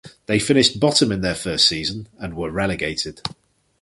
They finished bottom in their first season and were relegated.